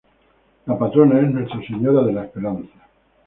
La patrona es Nuestra Señora de la Esperanza.